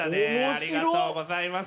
ありがとうございます。